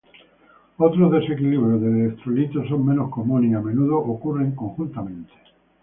Otros desequilibrios del electrolito son menos comunes, y a menudo ocurren conjuntamente.